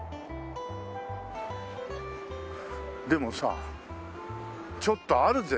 でもさちょっとあるぜ？